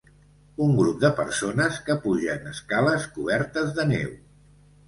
Un grup de persones que pugen escales cobertes de neu.